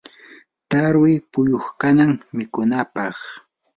tarwi puquykannam mikunapaq.